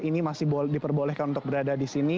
ini masih diperbolehkan untuk berada di sini